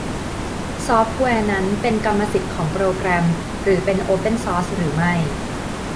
ซอฟต์แวร์นั้นเป็นกรรมสิทธิ์ของโปรแกรมหรือเป็นโอเพ่นซอร์สหรือไม่